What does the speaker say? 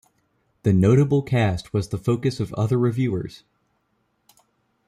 The notable cast was the focus of other reviewers.